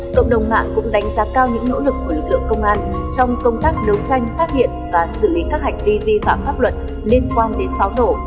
cộng đồng mạng cũng đánh giá cao những nỗ lực của lực lượng công an trong công tác đấu tranh phát hiện và xử lý các hành vi vi phạm pháp luật liên quan đến pháo nổ